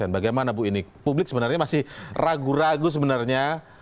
bagaimana bu ini publik sebenarnya masih ragu ragu sebenarnya